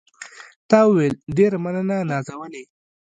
تا وویل: ډېره مننه نازولې.